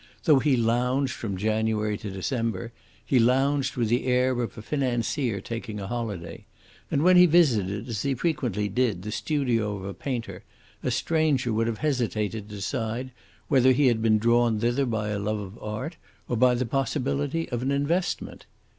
Though he lounged from January to December, he lounged with the air of a financier taking a holiday; and when he visited, as he frequently did, the studio of a painter, a stranger would have hesitated to decide whether he had been drawn thither by a love of art or by the possibility of an investment.